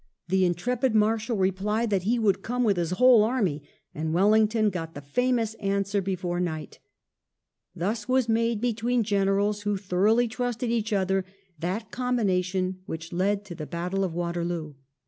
The intrepid Marshal replied that he would come with his whole army, and Wellington got the famous answer before night. Thus was made, between generals who thoroughly trusted each other, that combination which led to the Battle of Waterloo.